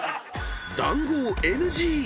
［談合ＮＧ！］